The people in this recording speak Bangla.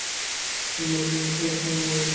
তিনি মক্কা বিজয়ের সময় ইসলাম গ্রহণ করেছিলেন।